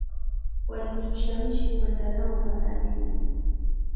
Walitushawishi kwenda nao baharini